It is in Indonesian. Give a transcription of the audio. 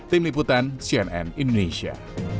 tim liputan cnn indonesia